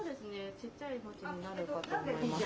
小さい文字になるかと思います。